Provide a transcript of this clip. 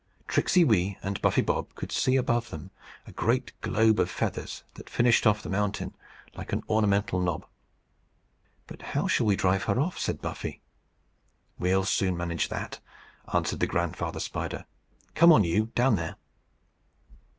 Tricksey Wee and Buffy Bob could see above them a great globe of feathers, that finished off the mountain like an ornamental knob. "But how shall we drive her off?" said Buffy. "We'll soon manage that," answered the grandfather spider. "Come on you, down there."